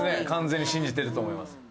完全に信じてると思います。